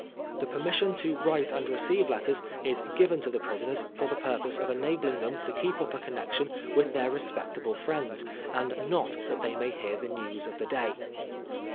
The penniasion to write and receive Letters is given to the Prisoners for the purpose of enabling them to keep up a connexion with their respectable friends, and not that they may hear the news of the day.